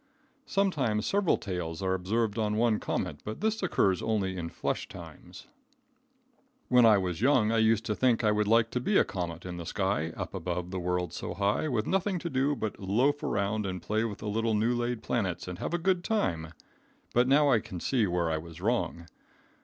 Sometimes several tails are observed on one comet, but this occurs only in flush times. When I was young I used to think I would like to be a comet in the sky, up above the world so high, with nothing to do but loaf around and play with the little new laid planets and have a good time, but now I can see where I was wrong.